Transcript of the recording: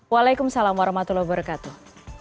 waalaikumsalam warahmatullah wabarakatuh